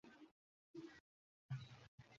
স্বতঃস্ফূর্ত চিন্তায় বাধা পড়বে।